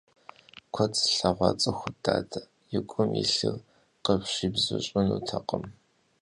Куэд зылъэгъуа цӀыхут дадэ, и гум илъыр къыпщибзыщӀынутэкъым.